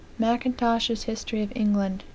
Mackintosh's Hist. of England, Ch.